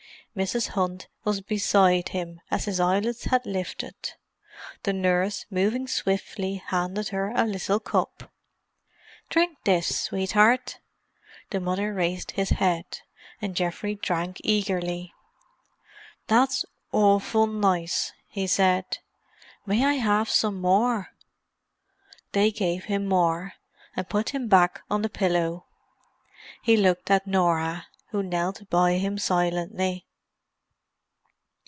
Mrs. Hunt was beside him as his eyelids had lifted. The nurse, moving swiftly, handed her a little cup. "Drink this, sweetheart." The mother raised his head, and Geoffrey drank eagerly. "That's awful nice," he said. "May I have some more?" They gave him more, and put him back on the pillow. He looked at Norah, who knelt by him silently.